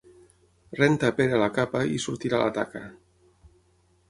Renta, Pere, la capa i sortirà la taca.